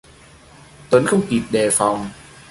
Tuấn không kịp đề phòng